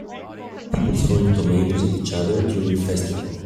People throwing tomatoes at each other during festival.